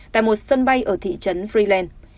tại một sân bay ở thị trấn freeland